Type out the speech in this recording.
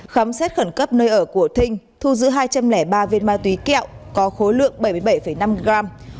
khám xét khẩn cấp nơi ở của thinh thu giữ hai trăm linh ba viên ma túy kẹo có khối lượng bảy mươi bảy năm gram